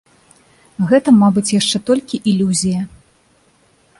Гэта, мабыць, яшчэ толькі ілюзія.